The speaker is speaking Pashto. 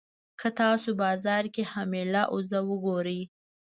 که تاسو بازار کې حامله اوزه وګورئ.